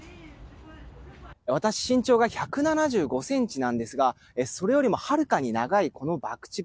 私、身長が１７５ｃｍなんですがそれよりもはるかに長いこの爆竹。